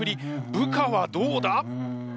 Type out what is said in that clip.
部下はどうだ！？